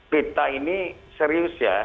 peta ini serius ya